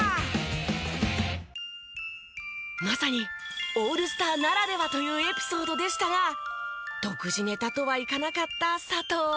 まさにオールスターならではというエピソードでしたが独自ネタとはいかなかった佐藤アナ。